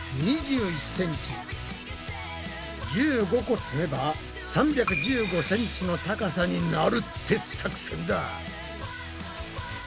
１５個積めば３１５ｃｍの高さになるって作戦だ！